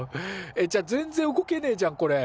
えっじゃあ全然動けねえじゃんこれ。